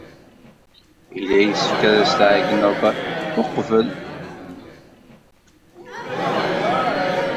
Yella yessefk ad as-tɛeyyned uqbel.